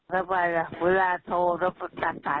ก็สบายวิ่ลาโทรตัดสายสบาย